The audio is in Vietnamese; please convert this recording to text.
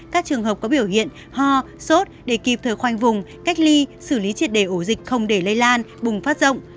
các trường hợp có biểu hiện ho sốt để kịp thời khoanh vùng cách ly xử lý triệt đề ổ dịch không để lây lan bùng phát rộng